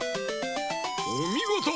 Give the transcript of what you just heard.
おみごと！